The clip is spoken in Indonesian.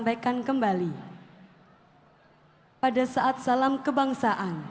bahkan ku diantarkan